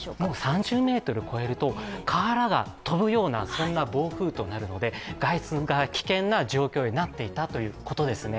３０メートル超えると瓦が飛ぶような暴風となるので、外出が危険な状況になっていたということですね。